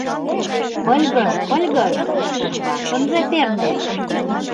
— Пыльгыж, пыльгыжШорташ ынже перне!